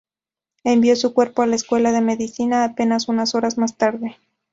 Envió su cuerpo a la Escuela de Medicina apenas unas horas más tarde.